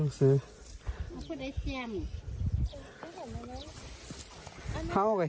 เอาพูดไอ้แจ้ม